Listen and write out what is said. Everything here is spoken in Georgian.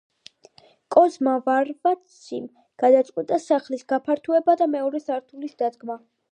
კოზმა ვარვაციმ გადაწყვიტა სახლის გაფართოება და მეორე სართულის დადგმა.